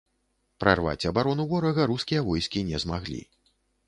Прарваць абарону ворага рускія войскі не змаглі.